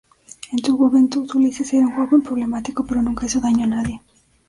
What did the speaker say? En su juventud, Ulises era un joven problemático, pero nunca hizo daño a nadie.